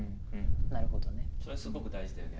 それすごく大事だよね。